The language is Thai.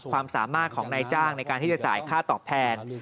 ความสามารถของนายจ้างในการที่จะจ่ายค่าตอบแทน